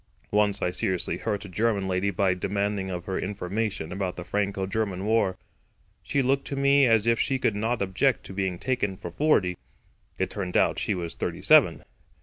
Once I seriously hurt a German lady by demanding of her information about the Franco German war. She looked to me as if she could not object to being taken for forty. It turned out she was thirty seven.